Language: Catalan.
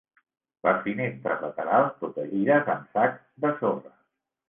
Les finestres laterals, protegides amb sacs de sorra